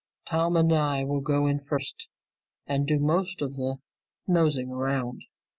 Tom and I will go in first and do most of the nosing around.